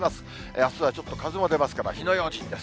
あすはちょっと風も出ますから、火の用心です。